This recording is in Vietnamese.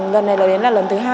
lần này đến là lần thứ hai